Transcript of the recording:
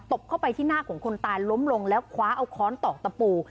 บเข้าไปที่หน้าของคนตายล้มลงแล้วคว้าเอาค้อนตอกตะปู